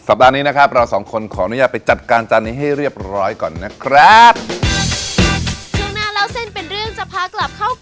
ปัดนี้นะครับเราสองคนขออนุญาตไปจัดการจานนี้ให้เรียบร้อยก่อนนะครับ